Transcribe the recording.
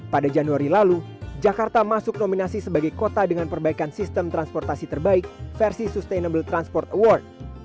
pada januari lalu jakarta masuk nominasi sebagai kota dengan perbaikan sistem transportasi terbaik versi sustainable transport award